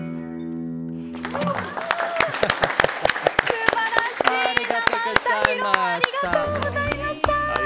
素晴らしい生歌披露ありがとうございました。